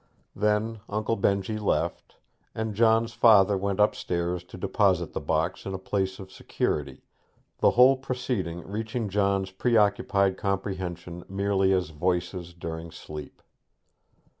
Then Uncle Benjy left, and John's father went upstairs to deposit the box in a place of security, the whole proceeding reaching John's preoccupied comprehension merely as voices during sleep.